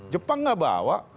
jepang gak bawa